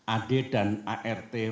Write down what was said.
ad dan art